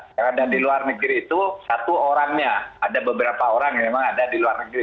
yang ada di luar negeri itu satu orangnya ada beberapa orang yang memang ada di luar negeri